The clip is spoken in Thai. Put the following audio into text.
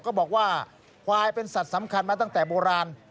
ก็บอกว่าควายเป็นสัตว์สำคัญมาตั้งแต่โบราณ